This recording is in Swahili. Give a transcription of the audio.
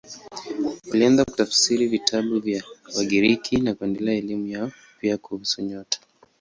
Walianza kutafsiri vitabu vya Wagiriki na kuendeleza elimu yao, pia kuhusu nyota.